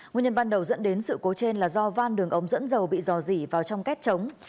nguyên nhân ban đầu dẫn đến sự cố trên là do van đường ống dẫn dầu bị dò dỉ vào trong kết trống